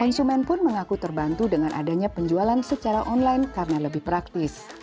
konsumen pun mengaku terbantu dengan adanya penjualan secara online karena lebih praktis